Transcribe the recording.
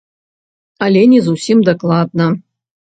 Але не зусім дакладна.